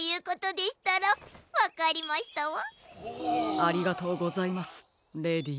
ありがとうございますレディー。